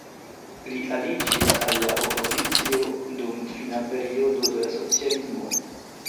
Li aliĝis al la opozicio dum fina periodo de la socialismo.